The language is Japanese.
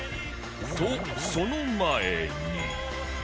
とその前に